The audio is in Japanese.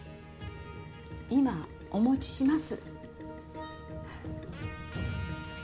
今お持ちします。